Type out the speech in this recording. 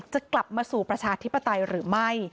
จะกลับมาสู่ประชาธิปไตยหรือไม่